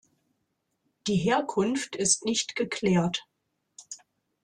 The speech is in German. Die Herkunft ist nicht geklärt.